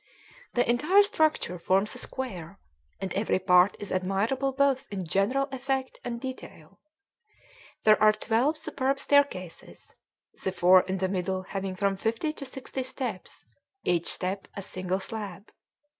The entire structure forms a square, and every part is admirable both in general effect and detail. There are twelve superb staircases, the four in the middle having from fifty to sixty steps, each step a single slab.